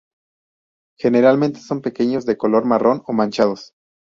Generalmente son pequeños, de color marrón o manchados.